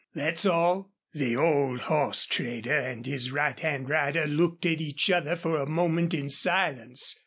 That's all." The old horse trader and his right hand rider looked at each other for a moment in silence.